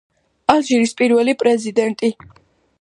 ალჟირის პირველი პრეზიდენტი.